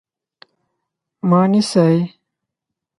_ما نيسئ؟